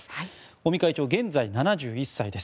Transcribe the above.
尾身会長は現在７１歳です。